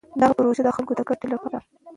دغه پروژه د خلکو د ګټې لپاره ده.